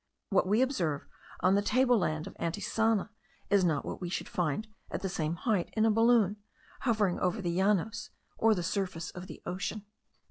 What we observe on the table land of Antisana is not what we should find at the same height in a balloon, hovering over the Llanos or the surface of the ocean.